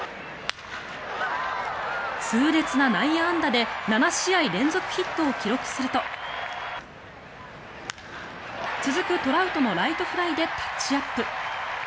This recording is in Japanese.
痛烈な内野安打で７試合連続ヒットを記録すると続くトラウトのライトフライでタッチアップ。